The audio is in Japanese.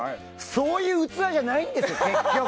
そういう器じゃないんですよ